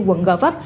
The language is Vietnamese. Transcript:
quận gò vất